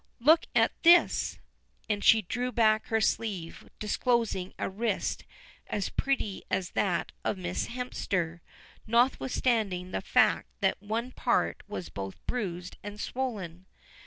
Look at this," and she drew back her sleeve, disclosing a wrist as pretty as that of Miss Hemster, notwithstanding the fact that one part was both bruised and swollen.